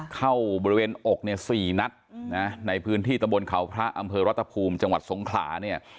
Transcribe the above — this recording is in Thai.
เข้าบริเวณอกเนี่ย๔นัดนะในพื้นที่ตะบนเขาพระอำเภอรัตภูมิจังหวัดสงขลาเนี่ย